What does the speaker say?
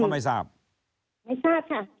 ไม่ทราบค่ะ